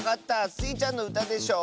スイちゃんのうたでしょ。